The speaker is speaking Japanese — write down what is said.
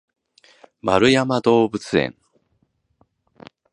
円山動物園